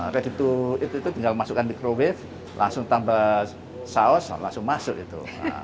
ready to eat itu tinggal masukkan microwave langsung tambah saus langsung masuk itu